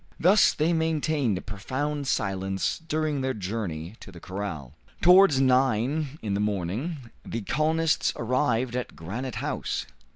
Thus they maintained a profound silence during their journey to the corral. Towards nine in the morning the colonists arrived at Granite House.